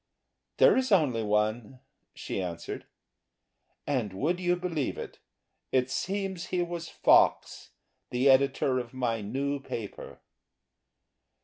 "There is only one," she answered. And would you believe it! it seems he was Fox, the editor of my new paper.